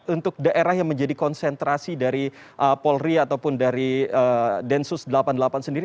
untuk daerah yang menjadi konsentrasi dari polri ataupun dari densus delapan puluh delapan sendiri